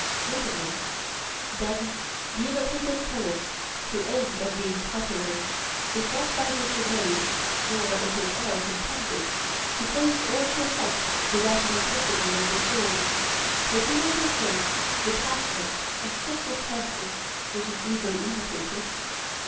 Certainly. Then the imitative poet who aims at being popular is not by nature made, nor is his art intended, to please or to affect the rational principle in the soul; but he will prefer the passionate and fitful temper, which is easily imitated?